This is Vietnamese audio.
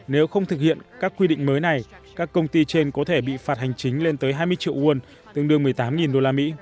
nếu không thực hiện các quy định mới này các công ty trên có thể bị phạt hành chính lên tới hai mươi triệu won tương đương một mươi tám usd